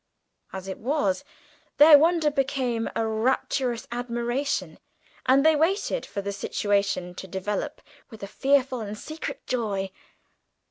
As it was, their wonder became a rapturous admiration, and they waited for the situation to develop with a fearful and secret joy.